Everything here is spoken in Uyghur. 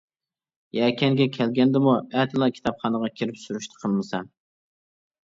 يەكەنگە كەلگەندىمۇ؟ ئەتىلا كىتابخانىغا كىرىپ سۈرۈشتە قىلمىسام.